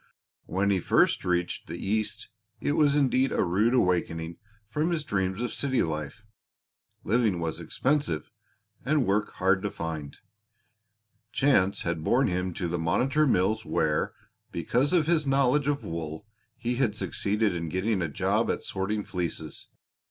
When he first reached the East it was indeed a rude awakening from his dreams of city life; living was expensive, and work hard to find. Chance had borne him to the Monitor Mills where, because of his knowledge of wool, he had succeeded in getting a job at sorting fleeces.